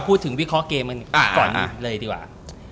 พูดถึงวิเคราะห์เกมก่อนเลยดีกว่า